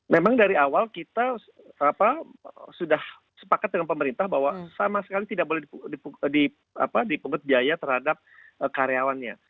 memang dari awal kita sudah sepakat dengan pemerintah bahwa sama sekali tidak boleh dipungut biaya terhadap karyawannya